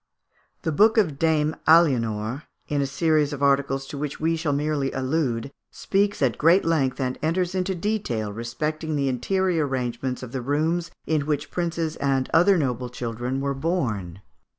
The book of Dame Aliénor, in a series of articles to which we shall merely allude, speaks at great length and enters into detail respecting the interior arrangements of the rooms in which princes and other noble children were born.